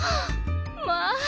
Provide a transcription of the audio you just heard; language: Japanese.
まあ！